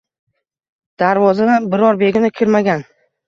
Darvozadan biror begona kirmagan